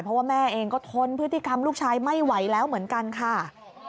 เพราะว่าแม่เองก็ทนพฤติกรรมลูกชายไม่ไหวแล้วเหมือนกันค่ะ